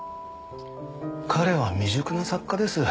彼は未熟な作家です。